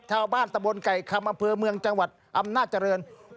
ตะบนไก่คำอำเภอเมืองจังหวัดอำนาจริง